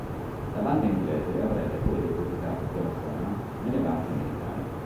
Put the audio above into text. La banca inglese avrebbe poi depositato quella somma nelle banche americane.